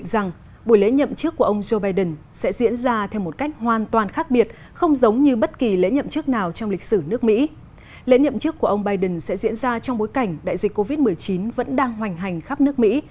trong bối cảnh đại dịch covid một mươi chín vẫn đang hoành hành khắp nước mỹ